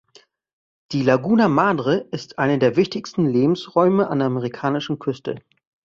Die Laguna Madre ist eine der wichtigsten Lebensräume an der amerikanischen Küste.